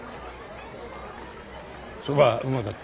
そばうまかった。